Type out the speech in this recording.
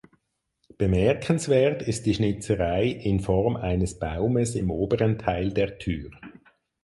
Bemerkenswert ist die Schnitzerei in Form eines Baumes im oberen Teil der Tür.